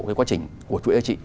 cái quá trình của chuỗi giá trị